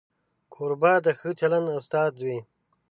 کوربه د ښه چلند استاد وي.